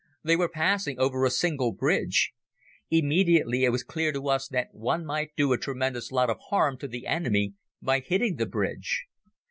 They were passing over a single bridge. Immediately it was clear to us that one might do a tremendous lot of harm to the enemy by hitting the bridge.